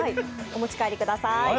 お待ち帰りください。